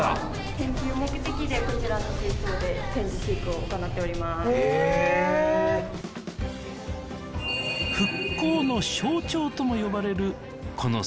研究目的でこちらの水槽で展示飼育を行っております・へえ復興の象徴とも呼ばれるこの水族館